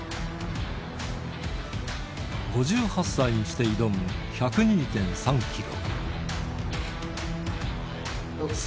５８歳にして挑む１０２．３キロ。